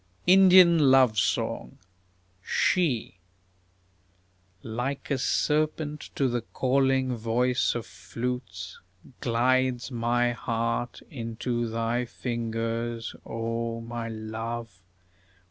INDIAN LOVE SONG She Like a serpent to the calling voice of flutes, Glides my heart into thy fingers, O my Love!